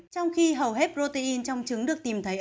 trong khi hầu hết protein trong trứng được tìm thấy ở